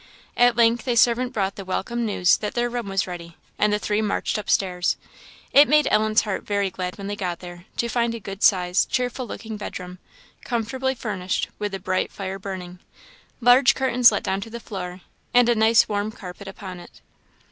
At length a servant brought the welcome news that their room was ready, and the three marched up stairs. It made Ellen's heart very glad when they got there, to find a good sized, cheerful looking bed room, comfortably furnished, with a bright fire burning, large curtains let down to the floor, and a nice warm carpet upon it.